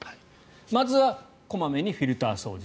まずは小まめにフィルター掃除。